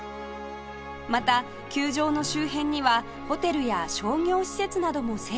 また球場の周辺にはホテルや商業施設なども整備